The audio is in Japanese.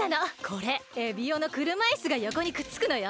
これエビオのくるまいすがよこにくっつくのよ。